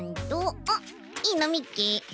あっいいのみっけ！